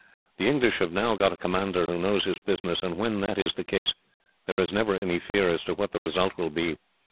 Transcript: The English have now got a commander who knows his business, and when that is the case, there is never any fear as to what the result will be.